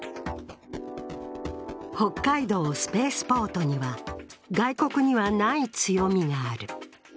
北海道スペースポートには外国にはない強みがある。